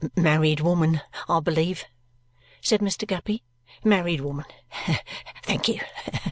"Married woman, I believe?" said Mr. Guppy. "Married woman. Thank you.